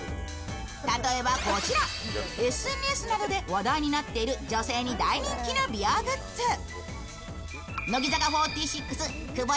例えば、こちらＳＮＳで話題になっている女性に大人気の美容グッズ。